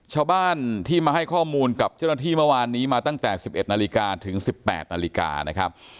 ชาวบ้านที่มาให้ข้อมูลกับเจ้าหน้าที่เมื่อวานนี้มาตั้งแต่๑๑นาฬิกาถึง๑๘นาฬิกานะครับ